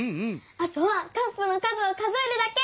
あとはカップの数を数えるだけ！